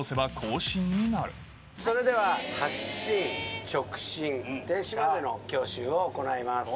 それでは、発進、直進、停止までの教習を行います。